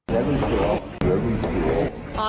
ลูกเสือ